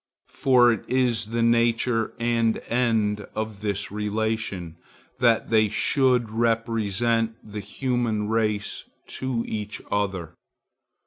For it is the nature and end of this relation, that they should represent the human race to each other.